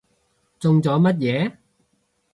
中咗乜嘢？